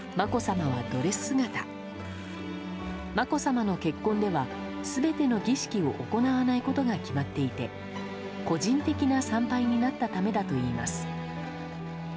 まこさまの結婚では全ての儀式を行わないことが決まっていて個人的な参拝になったためだといいます。